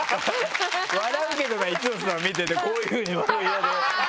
笑うけどな一ノ瀬さん見ててこういうふうに窓際で。